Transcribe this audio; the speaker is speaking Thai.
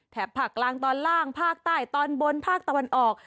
ภาคกลางตอนล่างภาคใต้ตอนบนภาคตะวันออก